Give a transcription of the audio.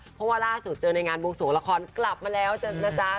เพราะว่าล่าสุดเจอในงานวงสวงละครกลับมาแล้วนะจ๊ะ